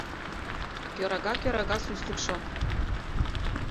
Кӧрага-кӧрага суслыкшо